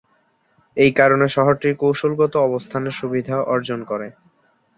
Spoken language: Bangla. এই কারণে শহরটি কৌশলগত অবস্থানের সুবিধা অর্জন করে।